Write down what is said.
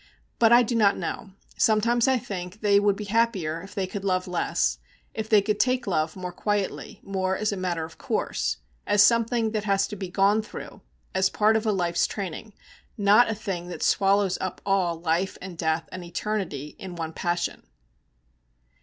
But I do not know. Sometimes I think they would be happier if they could love less, if they could take love more quietly, more as a matter of course, as something that has to be gone through, as part of a life's training; not as a thing that swallows up all life and death and eternity in one passion.